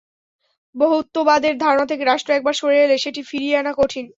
বহুত্ববাদের ধারণা থেকে রাষ্ট্র একবার সরে এলে সেটি ফিরিয়ে আনা কঠিন।